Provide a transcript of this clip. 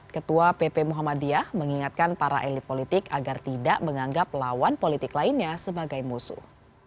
ketua pp muhammadiyah mengingatkan para elit politik agar tidak menganggap lawan politik lainnya sebagai musuh